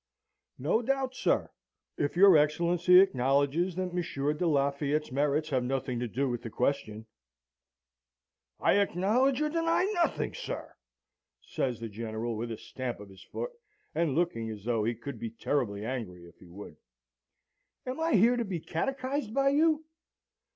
"'No doubt, sir. If your Excellency acknowledges that Monsieur de Lafayette's merits have nothing to do with the question.' "'I acknowledge or deny nothing, sir!' says the General, with a stamp of his foot, and looking as though he could be terribly angry if he would. 'Am I here to be catechised by you?